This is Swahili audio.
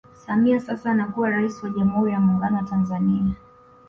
Samia sasa anakuwa Rais wa jamhuri ya Muungano wa Tanzania